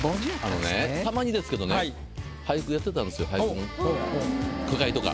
あのねたまにですけどね俳句やってたんですよ句会とか。